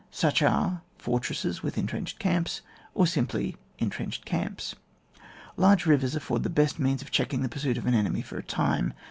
Such are, for tresses with entrenched camps, or simply entrenched camps. Large rivers afford the best means of checking the pursuit of an enemy for a time.